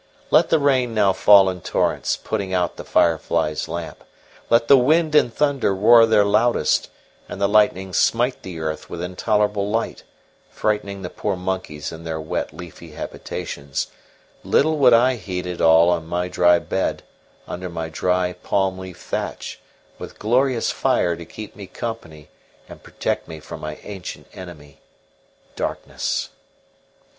Let the rain now fall in torrents, putting out the firefly's lamp; let the wind and thunder roar their loudest, and the lightnings smite the earth with intolerable light, frightening the poor monkeys in their wet, leafy habitations, little would I heed it all on my dry bed, under my dry, palm leaf thatch, with glorious fire to keep me company and protect me from my ancient enemy, Darkness.